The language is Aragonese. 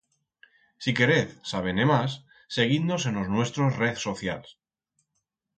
Si querez saber-ne mas, seguiz-nos en os nuestros rez socials.